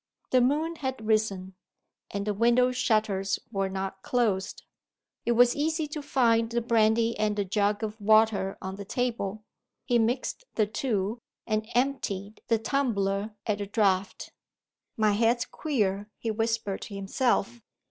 The moon had risen; and the window shutters were not closed. It was easy to find the brandy and the jug of water on the table. He mixed the two, and emptied the tumbler at a draught. "My head's queer," he whispered to himself.